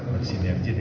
di sini yang jadi